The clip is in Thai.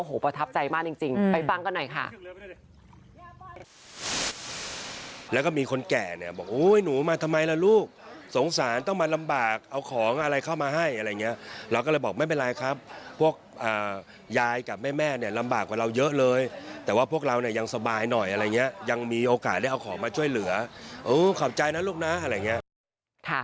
โอ้โหประทับใจมากจริงไปฟังกันหน่อยค่ะ